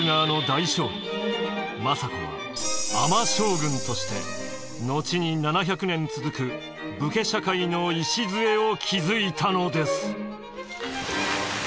政子は尼将軍として後に７００年続く武家社会の礎を築いたのです。